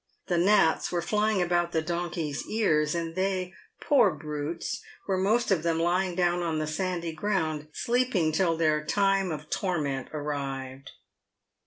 The gnats were flying about the donkey's ears, and they — poor brutes — were most of them lying down on the sandy ground, sleeping till their time of torment arrived.